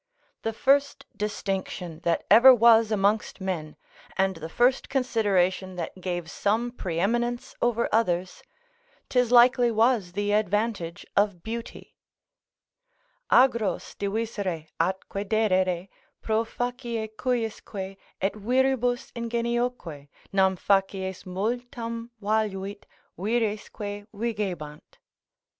The first distinction that ever was amongst men, and the first consideration that gave some pre eminence over others, 'tis likely was the advantage of beauty: "Agros divisere atque dedere Pro facie cujusque, et viribus ingenioque; Nam facies multum valuit, viresque vigebant."